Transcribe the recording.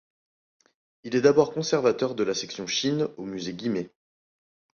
Il est d'abord conservateur de la section Chine au musée Guimet.